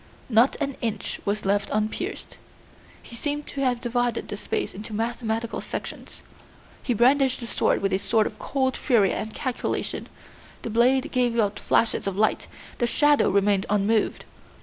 Not an inch was left unpierced. He seemed to have divided the space into mathematical sections. He brandished the sword with a sort of cold fury and calculation; the blade gave out flashes of light, the shadow remained unmoved.